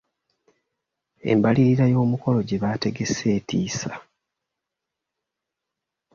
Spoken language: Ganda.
Embalirira y’omukolo gye baategese etiisa.